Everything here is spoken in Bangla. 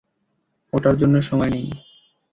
ওটার জন্য সময় নেই।